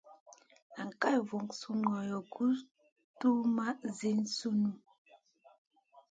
Nan kal voo sùn ŋolo guʼ tuwmaʼ Zi sunu.